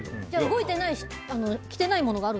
動いていない着てないものがあるの？